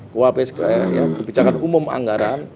kuapps kebijakan umum anggaran